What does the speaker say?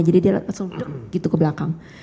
jadi dia langsung begitu ke belakang